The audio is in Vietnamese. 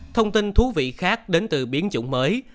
thông tin thú vị khác đến từ biến chủng mới